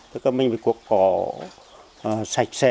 tức là mình phải cột cỏ sạch sẽ để vườn thống khoáng